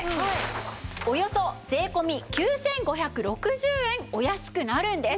およそ税込９５６０円お安くなるんです。